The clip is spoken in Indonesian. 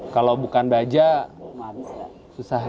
kalau bukan baja susah